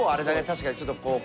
確かにちょっとこう。